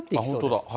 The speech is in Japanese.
本当だ。